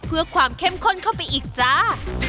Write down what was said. เพื่อความเข้มข้นเข้าไปอีกจ้า